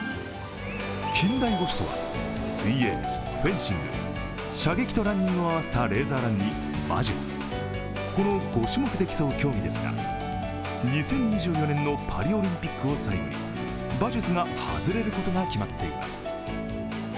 近代五種とは水泳、フェンシング、射撃とランニングを合わせたレーザーランに馬術、この５種目で競う競技ですが、２０２４年のパリオリンピックを最後に馬術が外れることが決まっています。